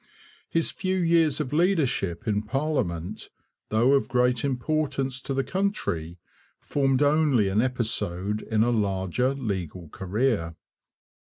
His few years of leadership in parliament, though of great importance to the country, formed only an episode in a larger legal career.